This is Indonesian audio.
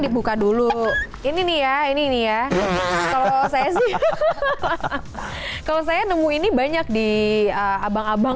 dibuka dulu ini nih ya ini nih ya kalau saya sih kalau saya nemu ini banyak di abang abang